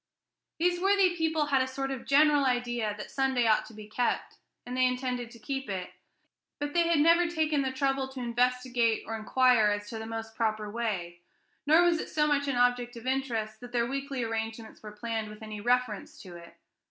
These worthy people had a sort of general idea that Sunday ought to be kept, and they intended to keep it; but they had never taken the trouble to investigate or inquire as to the most proper way, nor was it so much an object of interest that their weekly arrangements were planned with any reference to it.